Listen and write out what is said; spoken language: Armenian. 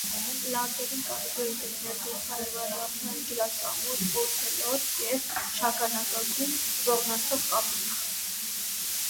Լանջերին կարելի է գտնել մերձարևադարձային ջրասամույր, օցելոտ և շագանակագույն ոռնացող կապիկ։